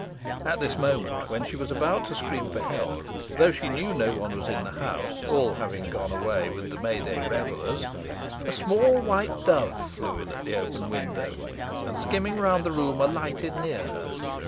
At this moment, when she was about to scream for help, though she knew no one was in the house, all having gone away with the May day revellers, a small white dove flew in at the open window, and skimming round the room, alighted near her.